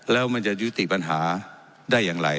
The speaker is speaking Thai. แล้วมันจะยุติปัญหาได้อย่างไร